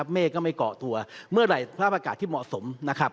เมฆก็ไม่เกาะตัวเมื่อไหร่สภาพอากาศที่เหมาะสมนะครับ